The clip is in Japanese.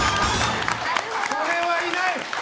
これはいない！